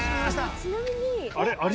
ちなみに。